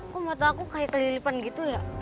kok menurut aku kayak kelilipan gitu ya